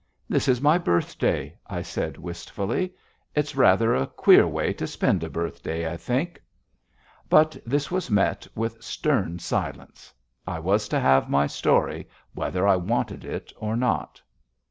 "This is my birthday," I said wistfully. "It's rather a queer way to spend a birthday, I think." But this was met with stern silence. I was to have my story whether I wanted it or not.